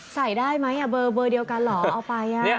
ใส่ได้ไหมเบอร์เดียวกันเหรอเอาไป